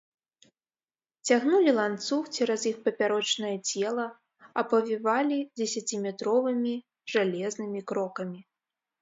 Цягнулі ланцуг цераз іх папярочнае цела, апавівалі дзесяціметровымі жалезнымі крокамі.